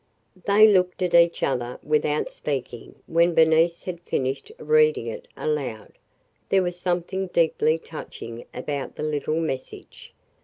They looked at each other without speaking when Bernice had finished reading it aloud. There was something deeply touching about the little message.